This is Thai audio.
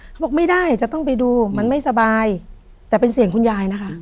เขาบอกไม่ได้จะต้องไปดูมันไม่สบายแต่เป็นเสียงคุณยายนะคะ